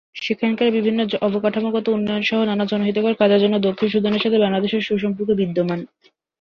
সেখানকার বিভিন্ন অবকাঠামোগত উন্নয়ন সহ নান জনহিতকর কাজের জন্য দক্ষিণ সুদানের সাথে বাংলাদেশের সুসম্পর্ক বিদ্যমান।